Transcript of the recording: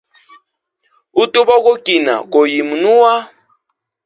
Utu bokukina go yimunua.